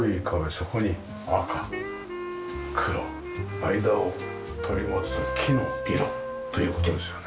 そこに赤黒間を取り持つ木の色という事ですよね。